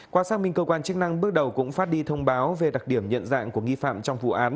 qua xác minh cơ quan chức năng bước đầu cũng phát đi thông báo về đặc điểm nhận dạng của nghi phạm trong vụ án